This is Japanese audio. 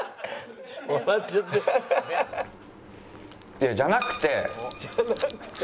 いやじゃなくて！